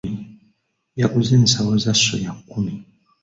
Yaguze ensawo za ssoya kkumi.